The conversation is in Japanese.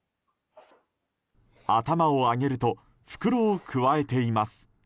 頭を上げると袋をくわえています。